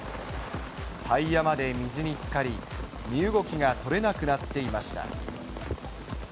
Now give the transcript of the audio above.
タイヤまで水につかり、身動きが取れなくなっていました。